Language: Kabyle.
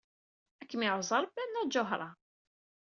Ad kem-iɛuzz Rebbi a Nna Ǧuhra.